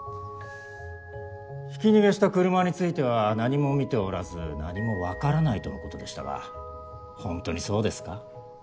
ひき逃げした車については何も見ておらず何も分からないとのことでしたがほんとにそうですか？